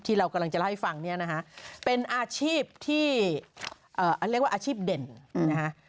เรากำลังจะเล่าให้ฟังเนี่ยนะฮะเป็นอาชีพที่เรียกว่าอาชีพเด่นนะฮะ